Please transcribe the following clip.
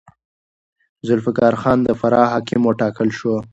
ذوالفقار خان د فراه حاکم وټاکل شو.